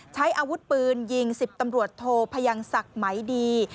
ใช้อาวุธปืนยิง๑๐ตำรวจโทพยังศักดิ์ไหมดี